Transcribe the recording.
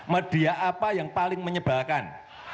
media apa yang paling menyebalkan